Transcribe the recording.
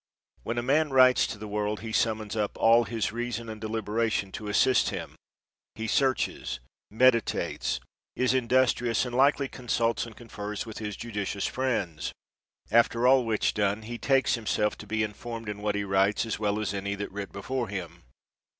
When a man writes to the world, he summons up all his reason and deliberation to assist him ; he searches, meditates, is industrious, and likely consults and confers with his judicious friends ; after all which done he takes himself to be in formed in what he writes, as well as any that writ before him.